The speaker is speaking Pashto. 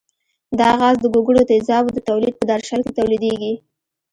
دا غاز د ګوګړو تیزابو د تولید په درشل کې تولیدیږي.